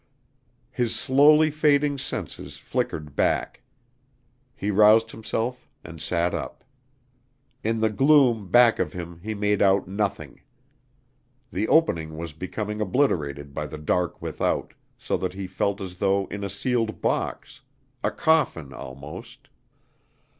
His slowly fading senses flickered back. He roused himself and sat up. In the gloom back of him he made out nothing: the opening was becoming obliterated by the dark without, so that he felt as though in a sealed box a coffin almost.